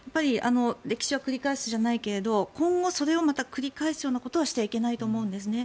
歴史は繰り返すじゃないけれど今後またそれを繰り返すようなことはしてはいけないと思うんですね。